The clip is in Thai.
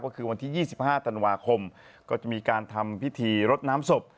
ก็คือวันที่๒๕ธันวาคมก็จะมีการทำพิธีรดน้ำศพ